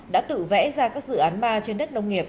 đã tự vẽ ra các dự án ma trên đất nông nghiệp